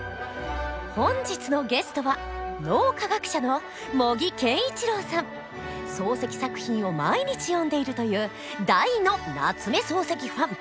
本日のゲストは漱石作品を毎日読んでいるという大の夏目漱石ファン。